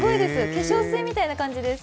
化粧水みたいな感じです。